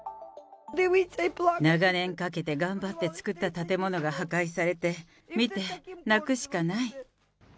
長年かけて頑張って作った建物が破壊されて、見て泣くしかない。